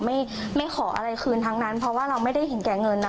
ไม่ไม่ขออะไรคืนทั้งนั้นเพราะว่าเราไม่ได้เห็นแก่เงินนะ